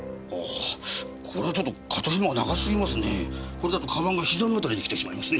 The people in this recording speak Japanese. これだと鞄がひざの辺りに来てしまいますね。